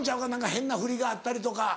変なふりがあったりとか。